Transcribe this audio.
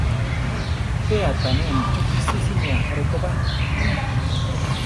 Pe aʼtanéame chopí sísimi ajaré ko ba, né.